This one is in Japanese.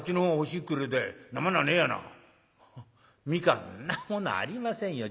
「そんなものありませんよ。